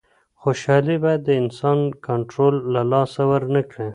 خوشحالي باید د انسان کنټرول له لاسه ورنکړي.